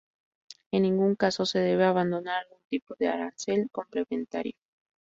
En ningún caso se debe abonar algún tipo de arancel complementario.